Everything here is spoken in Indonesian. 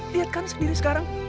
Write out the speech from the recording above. lihat kan sendiri sekarang